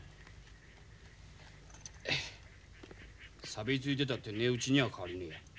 さびついてたって値打ちには変わりねえ。